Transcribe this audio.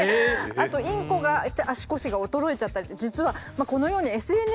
あとインコが足腰が衰えちゃったり実はこのようにＳＮＳ上でですね